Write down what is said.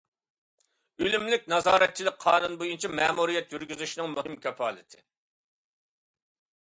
ئۈنۈملۈك نازارەتچىلىك قانۇن بويىچە مەمۇرىيەت يۈرگۈزۈشنىڭ مۇھىم كاپالىتى.